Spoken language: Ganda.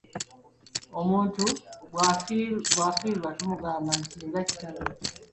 Omuntu bw'afiirwa tumugamba nti nga kitalo!